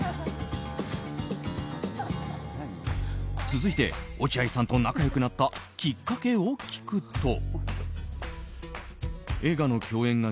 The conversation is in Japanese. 続いて落合さんと仲良くなったきっかけを聞くと。